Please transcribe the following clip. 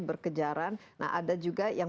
berkejaran nah ada juga yang